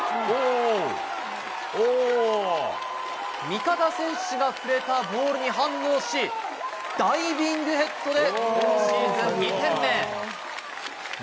味方選手が触れたボールに反応し、ダイビングヘッドで、今シーズン２点目。